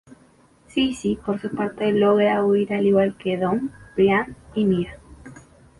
Zizi por su parte logra huir al igual que Dom, Brian y Mía.